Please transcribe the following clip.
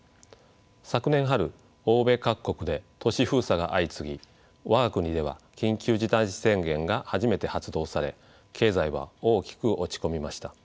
昨年春欧米各国で都市封鎖が相次ぎ我が国では緊急事態宣言が初めて発動され経済は大きく落ち込みました。